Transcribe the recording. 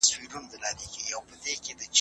پوهه د ټولنې ډیوه ده.